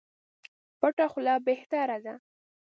پټه خوله بهتره ده.